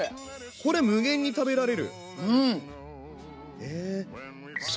これも無限に食べられる。